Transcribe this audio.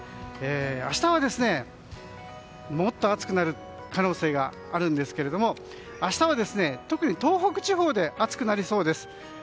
明日はもっと暑くなる可能性があるんですけど明日は特に東北地方で暑くなりそうです。